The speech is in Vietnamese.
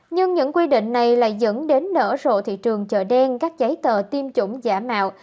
nhưng những quy định này lại dẫn đến nở rộ thị trường chợ đen các giấy tờ tiêm chủng giả mạo